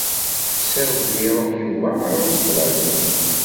Ḥṣiɣ belli iruḥ Yuba ɣer Ustralya.